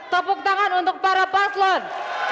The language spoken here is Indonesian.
tepuk tangan untuk para paslon